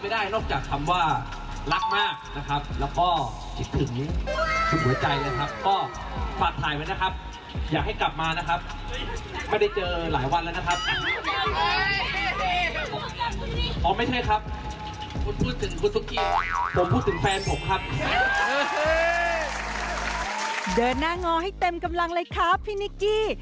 เดินหน้างอให้เต็มกำลังเลยครับพี่นิกกี้